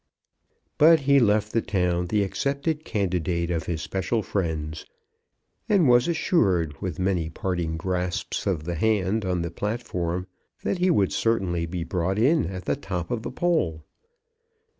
But he left the town the accepted candidate of his special friends, and was assured, with many parting grasps of the hand on the platform, that he would certainly be brought in at the top of the poll.